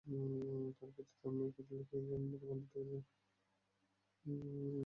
তার পিতা তার মায়ের ক্যাথলিক ধর্মে ধর্মান্তরিত হন।